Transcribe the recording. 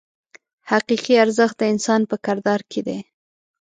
حقیقي ارزښت د انسان په کردار کې دی.